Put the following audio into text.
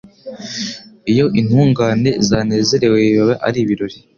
Iyo intungane zanezerewe biba ari ibirori